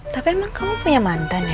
tapi emang kamu punya mantan ya